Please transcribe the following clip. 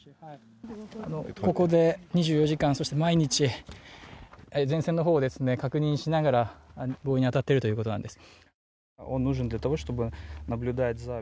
ここで２４時間、毎日、前線の方を確認しながら、防衛に当たっているということなんです。